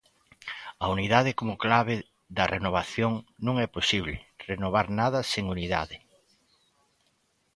A unidade como clave da renovación Non é posible renovar nada sen unidade.